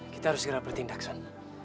kita harus segera bertindak san